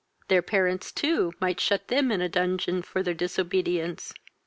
Their parents, too, might shut them in a dungeon for their disobedience.